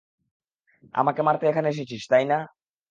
আমাকে মারতে এখানে এসেছিস, তাই-না?